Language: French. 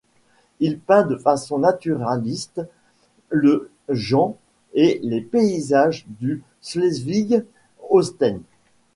Il peint de façon naturaliste le gens et les paysages du Schleswig-Holstein.